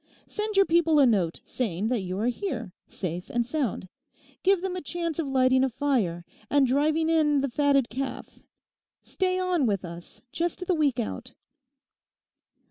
Send your people a note saying that you are here, safe and sound. Give them a chance of lighting a fire, and driving in the fatted calf. Stay on with us just the week out.